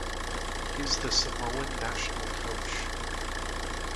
He is the Samoan national coach.